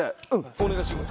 お願いします。